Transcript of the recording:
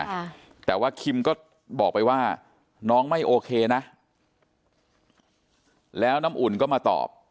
ค่ะแต่ว่าคิมก็บอกไปว่าน้องไม่โอเคนะแล้วน้ำอุ่นก็มาตอบ